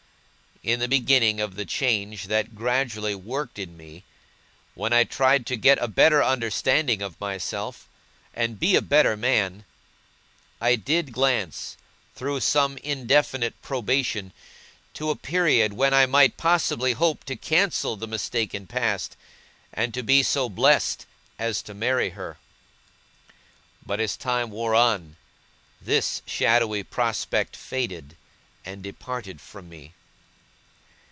In the beginning of the change that gradually worked in me, when I tried to get a better understanding of myself and be a better man, I did glance, through some indefinite probation, to a period when I might possibly hope to cancel the mistaken past, and to be so blessed as to marry her. But, as time wore on, this shadowy prospect faded, and departed from me.